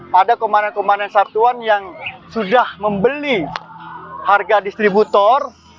pada kemarin kemarin sabtuan yang sudah membeli harga distributor